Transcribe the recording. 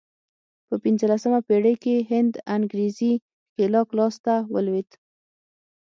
په پنځلسمه پېړۍ کې هند انګرېزي ښکېلاک لاس ته ولوېد.